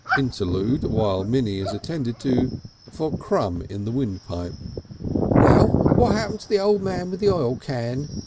(Interlude while Minnie is attended to for crumb in the windpipe.) "Well, what happened to the old man with the oil can?"